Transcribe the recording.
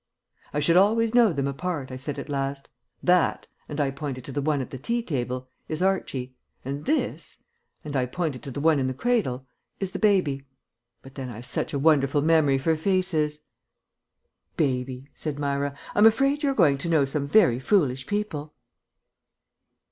"I should always know them apart," I said at last. "That," and I pointed to the one at the tea table, "is Archie, and this," and I pointed to the one in the cradle, "is the baby. But then I've such a wonderful memory for faces." "Baby," said Myra, "I'm afraid you're going to know some very foolish people."